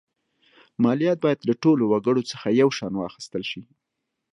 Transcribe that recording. مالیات باید له ټولو وګړو څخه یو شان واخیستل شي.